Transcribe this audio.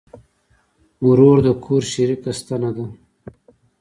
ورور د کور شریکه ستنه ده.